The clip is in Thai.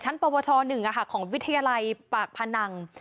ปวช๑ของวิทยาลัยปากพนัง